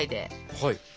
はい。